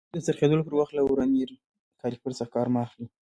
د څرخېدلو پر وخت له ورنیر کالیپر څخه کار مه اخلئ.